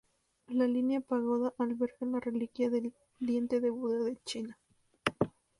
La pagoda alberga una reliquia del "diente de Buda de China".